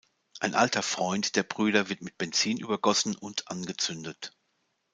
Ein alter Freund der Brüder wird mit Benzin übergossen und angezündet.